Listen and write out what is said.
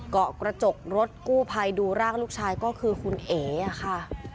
เกาะกระจกรถกู้ภัยดูร่างลูกชายก็คือคุณเอ๋ค่ะ